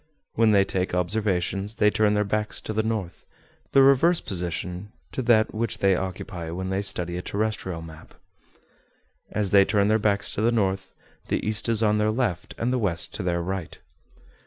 When they take observations, they turn their backs to the north, the reverse position to that which they occupy when they study a terrestrial map. As they turn their backs to the north, the east is on their left, and the west to their right.